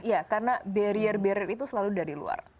iya karena barrier barrier itu selalu dari luar